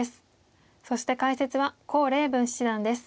そして解説は孔令文七段です。